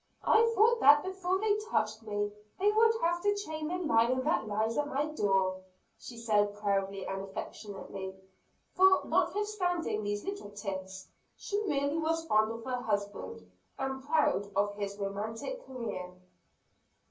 "I thought that before they touched me, they would have to chain the lion that lies at my door," she said proudly and affectionately; for, notwithstanding these little tiffs, she really was fond of her husband, and proud of his romantic career.